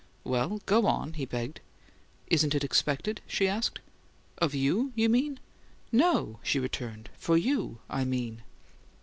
"Well, go on," he begged. "Isn't it expected?" she asked. "Of you, you mean?" "No," she returned. "For you, I mean!"